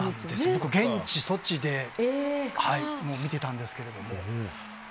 僕は現地ソチで見てたんですけど。